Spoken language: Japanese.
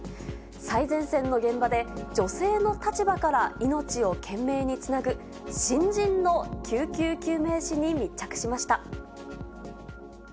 最前線の現場で、女性の立場から命を懸命につなぐ、新人の救急救命士に密着しました。